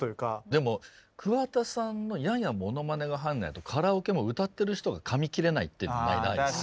でも桑田さんのややものまねが入んないとカラオケも歌ってる人がかみ切れないっていうのがないですか？